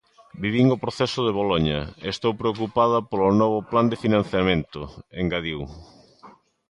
Vivín o proceso de Boloña e estou preocupada polo novo plan de financiamento, engadiu.